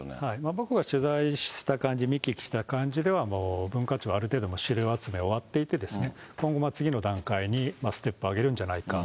僕が取材した感じ、見聞きした感じでは、もう文化庁、ある程度、資料集め終わっていて、今後、次の段階にステップを上げるんじゃないか。